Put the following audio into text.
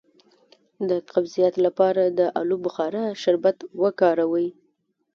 د قبضیت لپاره د الو بخارا شربت وکاروئ